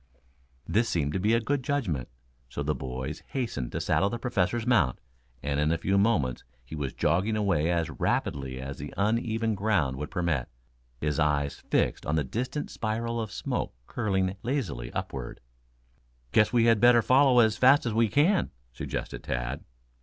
This seemed to be good judgment, so the boys hastened to saddle the Professor's mount, and in a few moments he was jogging away as rapidly as the uneven ground would permit, his eyes fixed on the distant spiral of smoke curling lazily upward. "Guess we had better follow as fast as we can," suggested Tad.